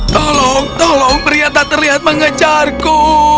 tolong tolong priyata terlihat mengejarku